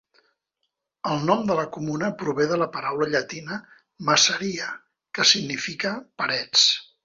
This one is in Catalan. El nom de la comuna prové de la paraula llatina "maceria", que significa parets.